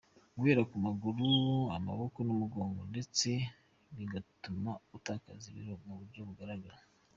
Guhera ku maguru, amaboko n’umugongo ndetse bigatuma utakaza ibiro mu buryo bugaragara.